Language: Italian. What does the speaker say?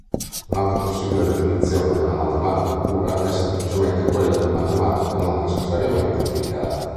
Un'altra possibile definizione della matematica pura è semplicemente quella di "matematica non necessariamente applicata".